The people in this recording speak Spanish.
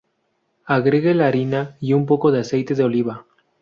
Agregue la harina y un poco de aceite de oliva.